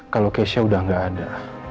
kalau keisha udah gak ada